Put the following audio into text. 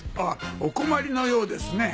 お困りのようですね。